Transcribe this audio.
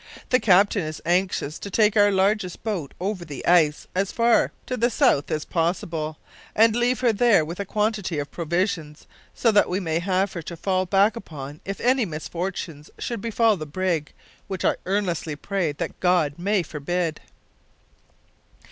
The captain is anxious to take our largest boat over the ice as far to the south as possible, and leave her there with a quantity of provisions, so that we may have her to fall back upon if any misfortune should befall the brig, which I earnestly pray that God may forbid.